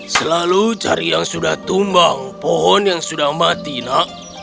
selalu cari yang sudah tumbang pohon yang sudah mati nak